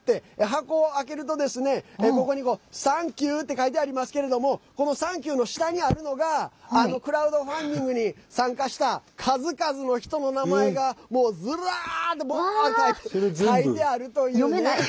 箱を開けるとここにサンキューって書いてありますけれどもこのサンキューの下にあるのがクラウドファンディングに参加した数々の人の名前がずらーっと書いてあるというね。